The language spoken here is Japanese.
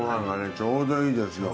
ちょうどいいですよ。